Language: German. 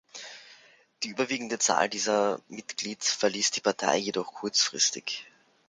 Die überwiegende Zahl dieser Mitglied verließ die Partei jedoch kurzfristig.